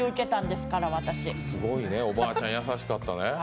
すごいね、おばあちゃん優しかったね。